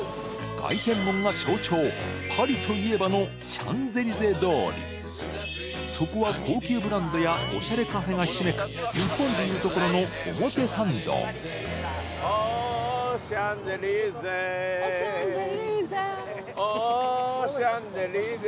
凱旋門が象徴パリといえばのシャンゼリゼ通りそこは高級ブランドやおしゃれカフェがひしめくおシャンゼリーゼおシャンゼリーゼおシャンゼリーゼ